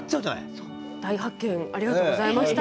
大発見ありがとうございました。